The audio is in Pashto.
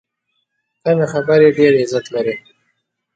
کمې خبرې، ډېر عزت لري.